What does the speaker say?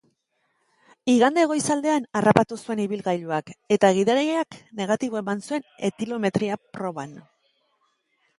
Igande goizaldean harrapatu zuen ibilgailuak, eta gidariak negatibo eman zuen etilometria proban.